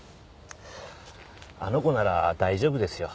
あの子なら大丈夫ですよ。